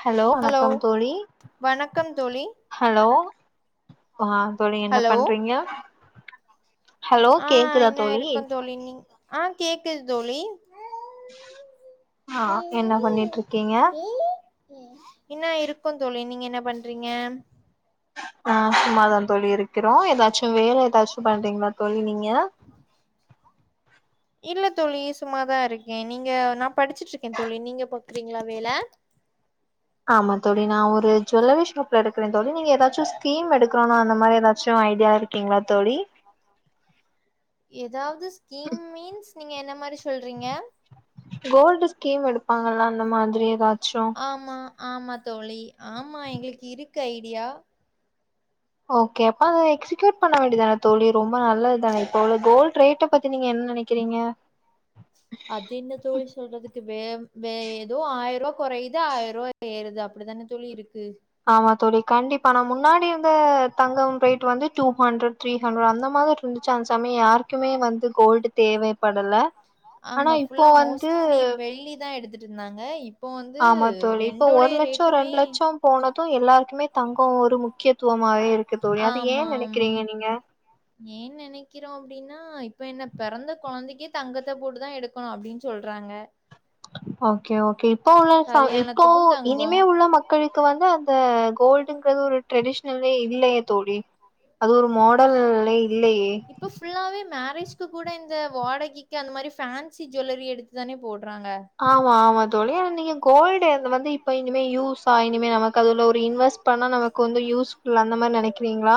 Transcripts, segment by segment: Hello வணக்கம் தோழி hello ஆஹ் தோழி என்ன பண்றீங்க ஹலோ கேக்குதா தோழி ஆ கேக்குது தோழி என்ன இருக்கு தோழி நீங்க என்ன பண்றீங்க ஆ சும்மாதா தோழி இருக் இருக்கறோ ஏதாச்சு வேலை ஏதாச்சு பண்றீங்களா தோழி நீங்க இல்ல தோழி சும்மாதா இருக்கே நீங்க நா படிச்சுட்டு இருக்கே தோழி நீங்க பாக்குறீங்களா வேல ஆமா தோழி நா ஒரு ஜுவல்லரி ஷாப்ல இருக்றே தோழி நீங்க ஏதாச்சு தீம் எடுக்றோனா அந்த மாரி ஏதாச்சு ஐடியா இருக்கீங்களா தோழி ஏதா த்து ஸ்கீம் மீன்ஸ் நீங்க என்ன மாரி ஸ் கோல்டு ஸ்கீம் எடுப்பாங்கல்லா அந்த மாதிரி ஏதாச்சு ஆமா தோழி ஆமா எங்களுக்கு இருக்கு ஐடியா ஓகே அப்ப அத எக்ஸிகியூட் பண்ண வேண்டியதுதான தோழி ரொம்ப நல்லது தான இப்ப உள்ள கோல்ட் ரேட்ட பத்தி நீங்க என்ன நெனக்கிறீங்க அது என்ன தோழி சொல்றதுக்கு வே வே ஏதோ ஆய்ருவா கொறையுது ஆய்ரூவா ஏறுது அப்டித்தான தோழி இருக் ஆமா தோழி கண்டிப்பா நா முன்னாடி இருந்த தங்கம் போயிட்டு வந்து ஹண்ட்ரட் த்ரீ ஹண்ட்ரட் அந்த மாரி இருந்துச்சா அந்த சமய யாருக்குமே வந்து கோல்டு தேவ படல ஆமா ஃபுல்லா மோஸ்ட்லி வெள்ளி தா எடுத்துட் இருந்தாங்க இப் ஆமா தோழி இப்போ ஒரு லட்சம் ரெண்டு லட்சம் போனது எல்லாருக்குமே தங்கோ ஒரு மு க்கியத்துவமாவே இரு ஆமா ஆமா ஏ நெனைக்கிறோ அப்டின்னா இப்ப என்ன பெறந்த கொழந்தைக்கே தங்கத்த போட்டு தா எடுக்கணு அப்டின் சொல்றாங்க ஓகே ஓகே இப்போ உள்ள சா இப்போ இனிமே உள்ள மக்களுக்கு வந்து அந்த கோல்டுங்கறது ஒரு ட்ரெடிஷ்னலே இல்லயே தோழி அது ஒரு மாடல்லே இப்ப ஃபுல்லாவே மே ரேஷ்க்கு கூட இந்த வாடகைக்கு அந்த மாரி ஃபான்சி ஜுவல்லரி எடுத்துதானே போடு ஆமா ஆமா தோழி ஆனா நீங்க கோல்டு இப்ப இனிமே யூஸா இனிமே நமக்கு அதுல ஒரு இன்வெஸ்ட் பண்ண நமக்கு வந்து யூஸ் ஃபுல்லா அந்த மார் நெனைக்கிறீங்களா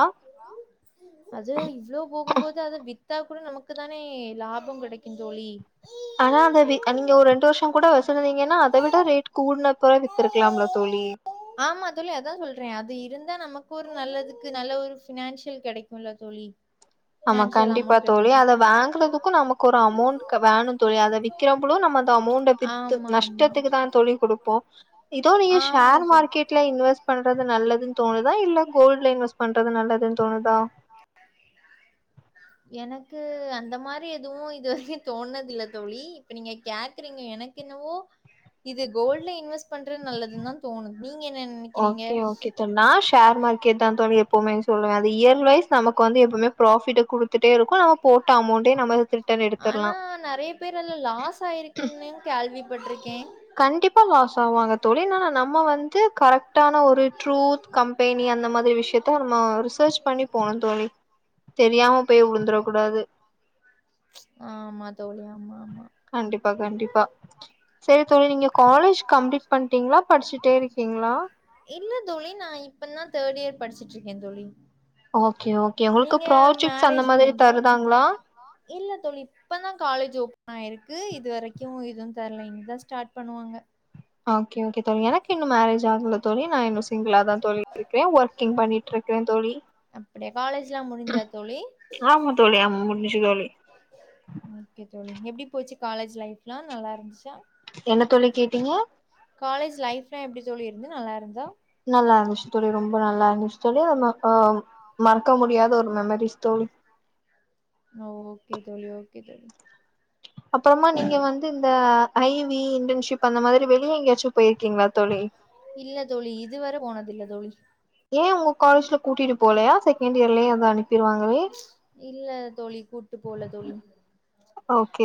தா கூட நமக்கு தானே லாபம் கெடைக்கு தோழி ஆனா அந்த வி நீங்க ஒரு ரெண்டு வருஷோ கூட வச்சிருந்தீங்கனா அத விட ரேட் கூடுன பெறவு வித்துருக்கலாம்ல தோழி ஆமா தோழி அதா சொல்றே அது இருந்தா நமக்கு ஒரு நல்லதுக்கு நல்ல ஒரு பினான்ஷியல் கெடைக்குல்ல தோழி ஆமா கண்டிப்பா தோழி அத வாங்குறதுக்கு நமக்கு ஒரு அமௌண்ட் வேணு தோழி அத விக்கிறபளும் நம்ம அந்த அமௌண்ட வித்து நஷ்டத்துக்குதா தோழி குடுப்போ இதோ நீங்க ஷேர் மார்க்கெட்ல இன்வெஸ்ட் பண்றது நல்லதுன் தோணுது. அதா இல்ல கோல்டு்ல இன்வெஸ்ட் பண்றது நல்லதுன் தோணுதா. எனக்கு அந்த மாரி எதுவு இது வரையு தோணது இல்ல தோழி இப்ப நீங்க கேக்குறீங்க எனக்கு என்னவோ இது கோல்டல இன்வெஸ்ட் பண்றது நல்லதுன் தா தோணுது. ஓகே ஓகே தோழி நா ஷேர் மார்க்கெட் தா தோழி எப்பவுமே சொல்லுவே இயர்வைைஸ் நமக்கு வந்து எப்பவுமே ப்ராபிட் குடுத்துட்டே இருக்கு நம்ம போட் ஆனா நெறைய பேர்ல லாஸ் ஆயிருக்குன்னு கேள்வி கண்டிப்பா லாஸ் ஆவாங்க தோழி நாலா நம் வந்து கரெக்ட் டான ஒரு ட்ரூத் கம்பெனி அந்த மாரி விஷியத்த நம்ம ரிசர்ச் பண்ணி போணு தோழி தெரியாம போய் வுழுந்துர கூடாது கண்டிப்பா கண்டிப்பா செரி சரிங்க காலேஞ் கம்ப்ளீட் பண்த்தீங்களா இல்ல படிச்சுட்டே இருக்கீங்களா இல்ல தோழி நான் இப்ப தான் தேர்ட் இயர் படிச்சிட்டு இருக்கேன் தோழி ஓகே ஓகே உங்களுக்கு ப்ராஜெக்ட்ஸ் அந்த மாதிரி தருதாங்களா இல்ல தோழி இப்ப தான் காலேஜ் ஓபன் ஆயிருக்கு இது வரைக்கும் எதுவும் தரல இனி தான் ஸ்டார்ட் பண்ணுவாங்க. ஓகே ஓகே த எனக்கு இன்ன மேரேஜ் ஆகல தோழி நான் இன்னும் சிங்கிளா தான் தோழி இருக்கேன் ஒர்க்கிங் பண்ணிட்டு இருக்கேன் தோழி. அப்படியா காலேஜ்லாம் முடிஞ்சுதா தோழி சொ எப்படி போச்சு காலேஜ் லைஃப் எல்லாம் நல்லா இருந்துச்சா என்ன தோழி கேட்டீங்க. லைப் எல்லாம் எப்டி தோழி இருந்நது நல்லா இருந்துதா. [unintelligible] மறக்க முடியாத ஒரு மெமரிஸ் தோழி ஓ ஓகே தோழி ஓகே தோழி அப்புறமா நீங்க வந்து இந்த ஐவி இன்டர்ன்ஷிப் அந்த மாதிரி வெளியே எங்கேயாச்சும் போயிருக்கீங்களா தோழி இல்ல தோழி இதுவரை போனது இல்ல தோழி ஏன் உங்க காலேஜ்ல கூட்டிட்டு போலயா சை இல்ல தோழி கூட்டு போல தோழி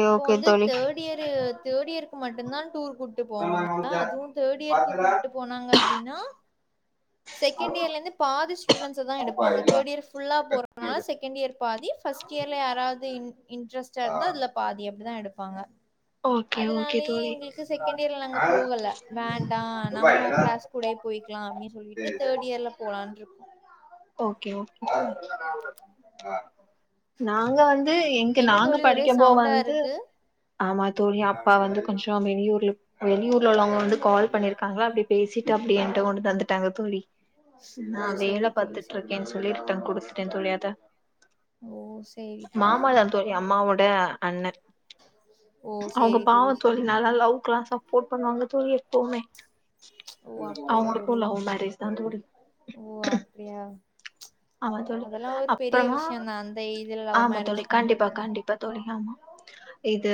இப்போ வந்து தேர்ட் இயர் தேர்ட் இயர் மட்டும் தான் டூ கூப்பிட்டு போவாங்க அதுவும் தேர்ட் இயருக்கு கூட்டு போனாங்க அப்டீன்னா செகண்ட் இயர்லந்து பாதி ஸ்டுடன்சதான் எடுப்பாங்க தேர்ட் இயர் புல்லா போறனால செகண்ட் இயர் ப்பாதி பர்ஸ்ட் இயர்ல யாராவது இன்ட்ரெஸ்ட் ஆ இருந்த அதுல பாதி அப்டிதான் எடுப் இருப்பாங்க அதனாலயே எங்களுக்கு செகண்ட் இயர்ல நாங்க போகல வேண்டாம் நம்ம கிளாஸ் கூடே போயிக்கலாம் அப்படின்னு சொல்லிட்டு தேர்ட் இயர்ல போகலான் இருப்போம். ஓகே ஓகே [inaudible] நாங்க வந்து எங்க நாங்க படிக்கும்போ வந்து ஆமா தோழி அப்பா வந்து கொஞ்சம் வெளியூர்ல வெளியூர் வீட்ல உள்ளவங்க வந்து கால் பண்ணிருக்காங்களா அப்டி பேசிட்டு அப்டி என்ட்ட ஓன்னு வந்துட்டாங்க தோழி ஓ சரி பாத்துட்டு இருக்கேன் சொல்லி ரிட்டன் கொடு டன் தோழி அதா ஓ சரி தோழி சரி தோழி அண்ணன் அவங்க பாவோ தோழி நால்லா லவ்க்குலா சப்போட் பண்ணுவாங்க தோழி எப்பவுமே அவங்களுக்கு லவ் மேரேஜ் தா தோழி ஆமா தோழி அப்புறமா ஆமா தோழி கண்டிப்பா கண்டிப்பா தோழி ஆமா இது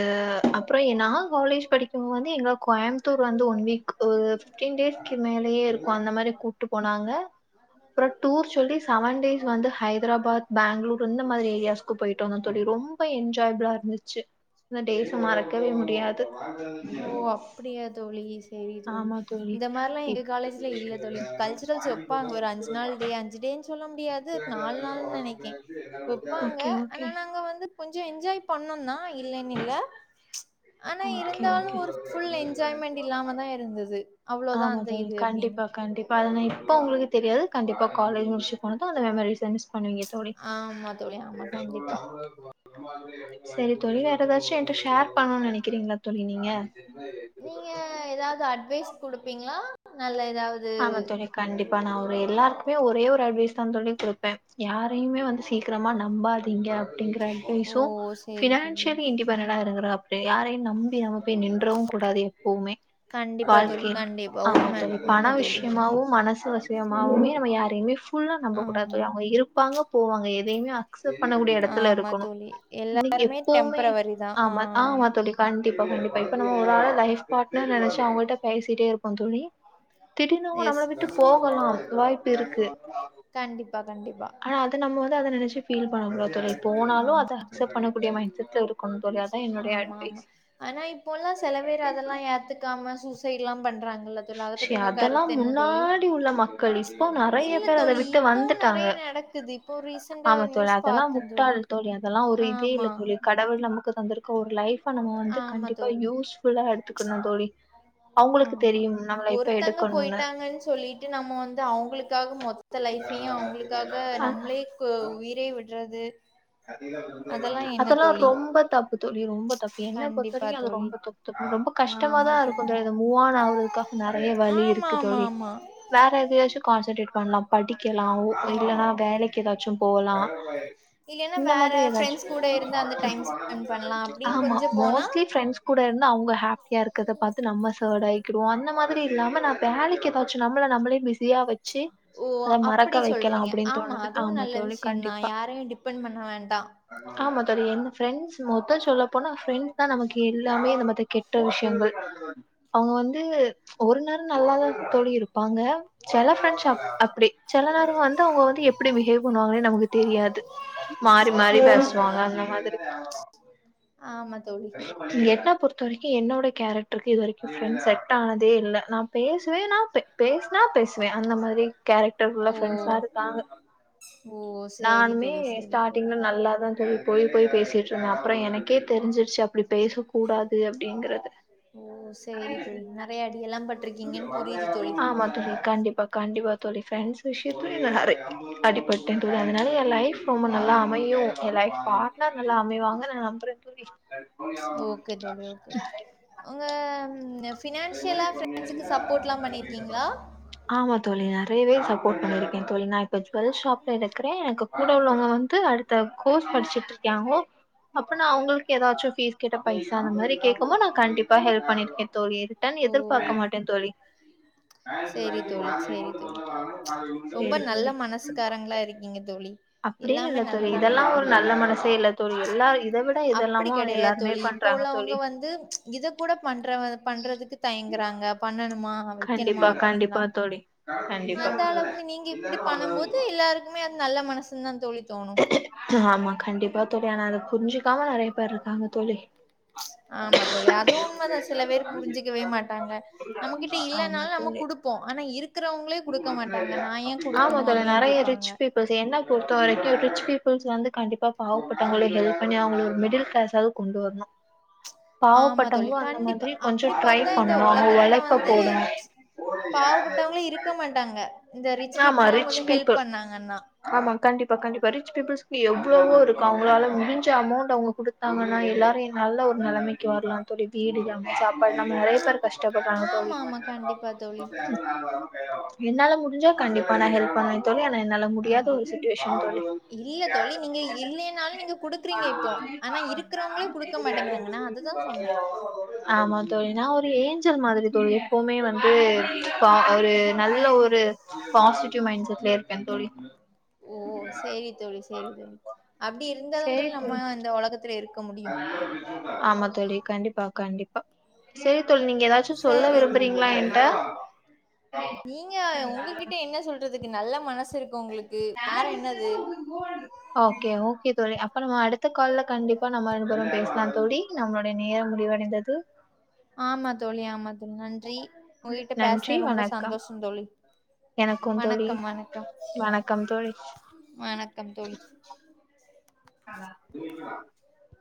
அப்புறோ எ நா காலேஜ் படிக்கும்போது இங்க கோயம் புத்தூர் வந்து ஒன் வீக் அ ஃபிப்ட்டின் டேஸ்கு மேலயே இருக்கு அந்த மாரி கூட்டு போனாங்க அப்புறோ டூர் சொல்லி செவன் டேஸ் வந்து ஹைதராபாத் பேங்ளூர் இந்த மாரி ஏரியாஸ்க்கு போயிட்டு வந்தோ தோழி ரொம்ப என்ஜாய்பிளா இருந்துச்சு இந்த டேச மறக்கவே முடியாது ஓ அப்டியா தோழி செரி தோழி இந்த மாரில்லா எங்க காலேஜ்ல இல்ல தோழி கல்ச்சுரல்ஸ் வெப்பாங்க ஒரு அஞ்சு நாள் டே அஞ்சு டேஞ்சு சொல்ல முடியாது நாலு நாள்னு நெனைக்கே வெப்பாங்க ஆனா நாங்க வந்து கொஞ்ச என்ஜாய் பண்ணோ தா இல்லைனு இல்ல ஆனா இருந் தாலு ஒரு ஃபுல் என்ஜாய்மெண்ட் இல்லாம தா இருந்தது ஆமா தோழி கண்டிப்பா கண்டிப்பா அத நா இப் போ உங்களுக்கு தெரியாது கண்டிப்பா காலேஜ் முடிச்சு போனது அந்த மெமரிஸா மிஸ் பண்ணுவிங்க தோழி செரி தோழி வேற எதாச்சும் என்ட்ட ஷேர் பண்ணணு நெனக்கிறீங்களா தோழி நீங்க நீங்க எதாவது அட்வைஸ் குடுப்பீங்களா நல்ல ஆமா தோழி கண்டிப்பா நா ஒ ரு எல்லாருக்குமே ஒரே ஒரு அட்வைஸ் தா தோழி குடுப்பே யாரையுமே வந்து சீக்கிரமா நம்பாதீங்க அப்டிங்கற அட்வைசு பினான்சியலி இன்டிபென்டடா இருங்குறப் யாரையு நம்பி நமக் பேய் நின்றவு கூடாது எப்பவ்மே வாழ்க்கையில ஆமா தோழி பண விஷ்யமாவு மனசு விஷ்யமாவுமே நம்ம யாரையுமே ஃபுல்லா நம்ப கூடாது தோழி அவங்க இருப்பாங்க போவாங்க எதையுமே அக்செப்ட் பண்ணக்கூடிய எடத்துல இருக்கணு இன்னைக்கு எப்பவுமே ஆமா ஆமா தோழி கண்டிப்பா கண்டிப்பா இப்ப நம்ம ஒரு ஆள லைஃப் பாட்னர் நெனைச்சு அவங்கள்ட்ட பேசிட்டே இருப்போ தோழி திடீனு நம்மள விட்டு போகலா வாய்ப் இருக்கு கண்டிப் ஆனா அத நம்ம வந்து அத நெனச்சுப் ஃபீல் பண்ணக்கூடாது தோழி போனாலு அத அக்செப்ட் பண்ணக்கூடிய மைண்ட்செட் தருக் ஆமா ஆமா ஆனா இப்போலா செல பேரு அதெல்லா ஏத்துக்காம சூ சைட்லா பண்றாங்க ஷி அதெல்லா முன்னாடி உள்ள மக்கள் இப்போ நெறைய பேர் அத விட்டு வந்துட்டாங்க ஆமா தோழ் அதெல்லா முட்டாள் தோழி அதெல்லா ஒரு இதே இல்ல தோழி கடவுள் நமக்கு தந்திருக்க ஒரு லைஃப் இப்ப நம்ம வந்து கண்டிப்பா யூஸ்ஃபுல்லா எடுத்துக்கணு தோழி அவ்ங்களுக்கு தெரியுமா ஒருத்தங்க போயிட்டாங்கன் சொல்லிட்டு நம்ம வந்து அவ்ங்களுக்காக மொத் த்த லைஃபையு அவ்ங்களுக்காக நம்ளே கு உயிரே விட்ற றது அதெல்லா ரொம்ப தப்பு தோழி ரொம்ப தப்பு என்ன பொறுத்த வரைக்கு அது ரொம்ப தப்பு தப்பு ரொம்ப கஷ்டமாதா இருக்கு தோழி அது மூவான் ஆவுறது நெறைய வழி இருக்கு தோழி வேற எதயாச்சு கான்சன்ட்ரேட் பண்லா படிக்கலா ஒ இல்லனா வேலைக்கு எதாச்சு போலா இந்த மாதிரி எதாச்சு ஆமா மோஸ்ட்லி ஃப்ரெண்டஸ்கூட இருந்து அவ்ங்க ஹாப்பியா இருக்கத பாத்து நம்ம சேட்டாய் க்குடுவோ அந்த மாதிரி இல்லாம நா வேலைக்கு எதாச்சு நம்மள நம்மளே பிஸியா வச் ஓ அப்டி சொல்றீங்க ஆமா அதுவு நல்ல விஷ்யந்தா யாரையு டிபெண்ட் பண்ண வேண்டா ஆமா தோழி என்ன ஃப்ரெண்ட்ஸ் மொத்த சொல்லப்போனா ஃப்ரெண்ட்ஸ்தா நமக்கு எல்லாமே நமது கெட்ட விஷ்யங்கள் அவ்ங்க வந்து ஒரு நேர நல்லாதா தோழி இருப்பாங்க செல ஃப்ரெண்ட்ஸ் அப் அப்டி செல நேரம் வந்து அவ்ங்க வந்து எப்டி பிஹேவ் பண்ணுவாங்கனே நமக்கு தெரியாது மாறி மாறி பேசுவாங்க அந்த மாதிரி எப்பப் பொறுத்த வரைக்கு என்னோட கேரக்ட்ருக்கு இது வரைக்கு ஃப்ரெண்ட்ஸ் செட் ஆனதே இல்ல நா பேசுவே நா பே பேசுனா பேசுவே அந்த மாரி கேரக்டர் உள்ள ஃபிரண்ட்ஸா இருக்காங்க நானுமே ஸ்டார்டிங்ல நல்லாதா தோழி போய் போய் பேசிட்டு இருந்தே அப்ற எனக்கே தெரிஞ்சுருச் சு அப்டி பேசக் கூடாது அப்டிங்குறது ஆமா தோழி கண்டிப்பா கண்டிப்பா தோழி ஃபிரெண்ட்ஸ் விஷ்யத்துல நா நெறைய அடிப்பட்டே தோழி அதுனால எ லைஃப் ரொம்ப நல்லா அமையு எ லைஃப் பாட்னர் நல்லா அமைவாங்க நா நம்புறே தோழி [unintelligible] ஓகே தோழி ஓகே உங்க ஃபினான்சியலா ஃபிரெண்ட்ஸுக்கு சப்போட்லா பண்ணிருக்கீங்களா நெறையவே சப்போட் பண்ணிருக்கே தோழி நா ஷாப்ல இருக்குறே எனக்கு கூட உள்ளவங்க வந்து அடுத்த கோர்ஸ் படிச்சிட்டு இருக்காங்கோ அப்பனா அவுங்களுக்கு எதாச்சு பீஸ் கேட்டா பைசா அந்த மாரி கேட்கமோ நா கண்டிப்பா ஹெல்ப் பண்ணிருக்கே தோழி எதிர்பார்க்க மாட்டே தோழி ரொம்ப நல்ல மனசுக்காரங்களா இருக்கீங்க தோழி அப்டின்னு இல்ல தோழி இதெல்லா ஒரு நல்ல மனசே இல்லத் தோழி எல்லாரு இத விட அப்படி கெடையாது தோழி இப்ப உள்ளவங்க வந்து ச் இத கூட பண்றவ பண்றதுக்கு தயங்குறாங்க பண்ணணு கண்டிப்பா கண்டிப்பா தோழி கண்டிப்பா நல்ல மனசுதா தோழி ஆமா கண்டிப்பா தோழி ஆனா அத புரிஞ்சுக்காம நெறைய பேர் இருக்காங்க தோழி ச் ஆமா தோழி அது உண்மதா சில பேர் புரிஞ்சுக்கவே மாட்டாங்க நம்மகிட்ட இல்லன்னாலு நம்ம குடுப்போ ஆனா இருக்கு ஆமா தோழி நெறைய ரிச் பீப்பிள்ஸ் என்ன பொறுத்த வரைக்கு ரிச் பீப் பபில்ஸ் வந்து கண்டிப்பா பாவப்பட்டவங்கள ஹெல்ப் பண்ணி அவுங்க மிடில் கிளாஸாவது கொண்டு வரணு பாவப்பட்டங்களு அந்த மாதிரி கொஞ்சோ ட்ரை பண்ணு அவுங்க உழைப்ப போடணு க்க மாட்டாங்க ஆமா ரிச் பீப்புள் ஆமா கண்டிப்பா கண்டிப்பா ரிச் பீப்புள்ஸ் எவ்ளோவோ இருக்கு அவுங்ளால முடிஞ்ச அமௌண்ட் அவுங்க குடுத்தாங்கன்னா எல்லாரியு நல்ல ஒரு நெலமிக்கு வர்லா தோழி வீடு இல்லாம சாப் ப நம் நெறைய பேர் கஷ்டப்பட்றாங்க தோழி ம் என்னால முடிஞ்ச கண்டிப்பா நா ஹெல்ப் பன்வே தோழி ஆனா என்னால முடியாத ஒரு சிட்டுவேஷன் தோழி ஆமா தோழி நா ஒரு ஏஞ்சல் மாதிரித் தோழி எப்பவுமே வந்த கா ஒரூ நல்ல ஒரு பாசிட்டிவ் மைண்ட் செட்லயே இருக்கே தோழி ஓ சேரி தோழி சேரி தோழி அப்டி இருந்த தா தோழி நம்மா இந்த உலகத் திலே இருக் ஆமா தோழி கண்டிப்பா கண்டிப்பா செரி தோழி நீங்க ஏதாச்சு சொல்ல விரும்புறீங்களா என்ட நல்ல மனசு இருக்கு உங்ளுக் ஓகே ஓகே தோழி அப் ப்ப நம்ம அடுத்த கால்ல கண்டிப்பா நம்ம ரெண்டுபேரு பேஸ்லா தோழி நம்ளோடைய நேரம் முடிவடைந்தது ஆமா தோழி ஆமாத் நன்றி உங்ககிட்ட பேஸ்ன ரொம்ப சந்தோஷோ தோழி வணக்கம் வணக்கம் வணக்கம் தோழி [unintelligible]